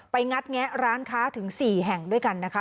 งัดแงะร้านค้าถึง๔แห่งด้วยกันนะคะ